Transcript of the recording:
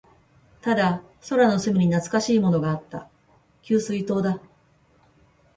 ただ、空の隅に懐かしいものがあった。給水塔だ。